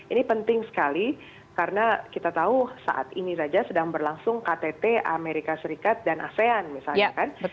ini penting sekali karena kita tahu saat ini saja sedang berlangsung ktt amerika serikat dan asean misalnya kan